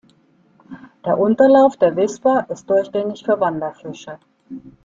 Der Unterlauf der Wisper ist durchgängig für Wanderfische.